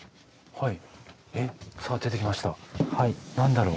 はい。